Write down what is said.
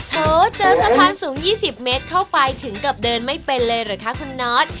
โหเจอสะพานสูง๒๐เมตรเข้าไปถึงกับเดินไม่เป็นเลยเหรอคะคุณนอท